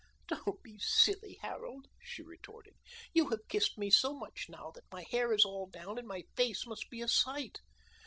"Don't be silly, Harold," she retorted. "You have kissed me so much now that my hair is all down, and my face must be a sight.